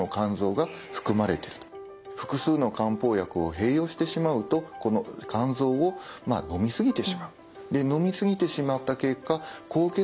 複数の漢方薬を併用してしまうとこの甘草をのみ過ぎてしまう。